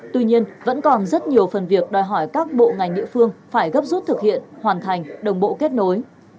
tuy nhiên vẫn còn rất nhiều phần việc đòi hỏi các bộ ngành địa phương phải gấp rút thực hiện hoàn thành đồng bộ kết nối